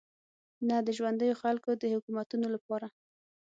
نه د ژونديو خلکو د حکومتونو لپاره.